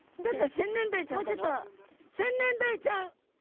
センネンダイちゃん。